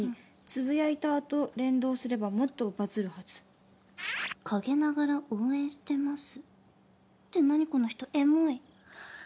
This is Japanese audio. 「ツブヤイターと連動すればもっとバズるはず」「陰ながら応援してます」って何この人エモい。